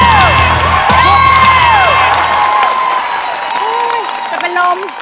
เฮ้ยแต่ล้อม